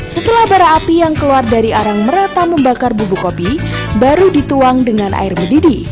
setelah bara api yang keluar dari arang merata membakar bubuk kopi baru dituang dengan air mendidih